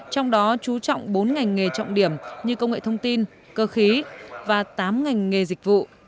trong đó chú trọng bốn ngành nghề trọng điểm như công nghệ thông tin cơ khí và tám ngành nghề dịch vụ